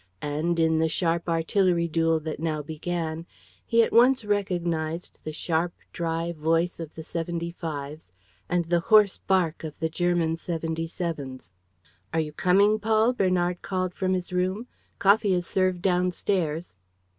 And, in the artillery duel that now began, he at once recognized the sharp, dry voice of the seventy fives and the hoarse bark of the German seventy sevens. "Are you coming, Paul?" Bernard called from his room. "Coffee is served downstairs."